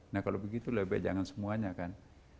nah kalau begitu lebih baik jangan semuanya kan